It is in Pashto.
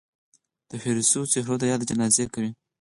د هېرو سوو څهرو د ياد جنازې کوي